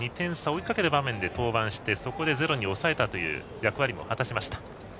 追いかける場面で登板してそこでゼロに抑えたという役割も果たしました。